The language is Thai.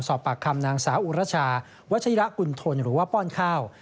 สอบปากคำนางสาวอุรชาวัชยะกุณฑลหรือว่าป้อนข้าว